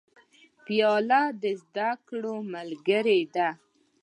پیاله د زده کړو ملګرې ده.